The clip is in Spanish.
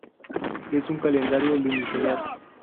Es un calendario lunisolar.